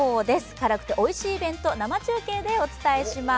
辛くておいしいイベント、生中継でお伝えします。